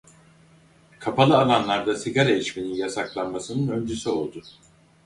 Kapalı alanlarda sigara içmenin yasaklanmasının öncüsü oldu.